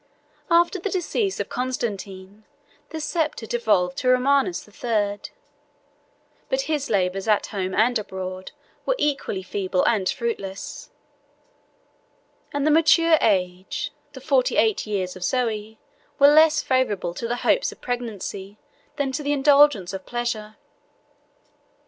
After the decease of Constantine, the sceptre devolved to Romanus the Third; but his labors at home and abroad were equally feeble and fruitless; and the mature age, the forty eight years of Zoe, were less favorable to the hopes of pregnancy than to the indulgence of pleasure.